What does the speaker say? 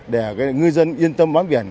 để ngư dân yên tâm bám biển